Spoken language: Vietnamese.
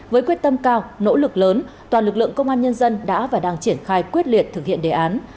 với quyết tâm cao nỗ lực lớn toàn lực lượng công an nhân dân đã và đang triển khai quyết liệt thực hiện đề án